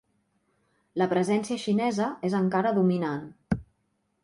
La presència xinesa és encara dominant.